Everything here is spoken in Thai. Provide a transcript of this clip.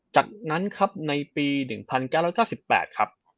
จากนั้นครับในปี๑๙๙๘ครับ